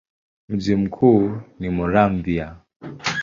Mji mkuu ni Muramvya.